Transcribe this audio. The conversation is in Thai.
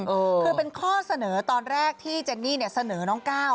คือเป็นข้อเสนอตอนแรกที่เจนนี่เนี่ยเสนอน้องก้าว